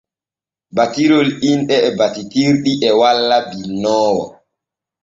Battirol inɗe e battitirɗi e walla binnoowo.